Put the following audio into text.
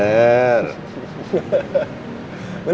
ah yang bener